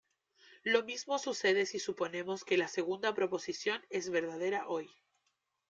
Lo mismo sucede si suponemos que la segunda proposición es verdadera hoy.